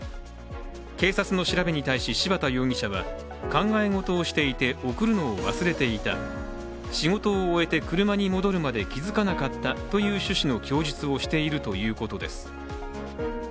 警察の調べに対し柴田容疑者は考え事をしていて送るのを忘れていた仕事を終えて車に戻るまで気付かなかったという趣旨の供述をしているということです。